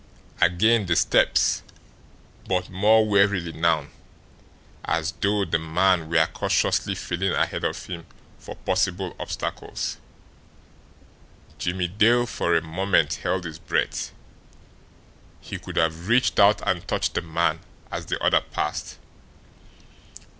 Again the steps, but more warily now, as though the man were cautiously feeling ahead of him for possible obstacles. Jimmie Dale for a moment held his breath. He could have reached out and touched the man as the other passed.